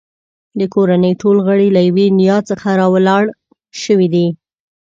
د کورنۍ ټول غړي له یوې نیا څخه راولاړ شوي دي.